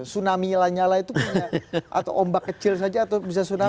tsunami lanyala itu punya atau ombak kecil saja atau bisa tsunami